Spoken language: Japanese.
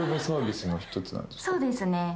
そうですね。